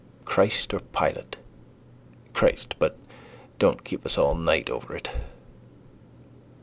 Christ or Pilate? Christ, but don't keep us all night over it.